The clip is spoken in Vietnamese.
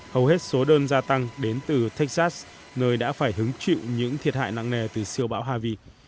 hầu hết số đơn gia tăng đến từ texas nơi đã phải hứng chịu những thiệt hại nặng nề từ siêu bão havi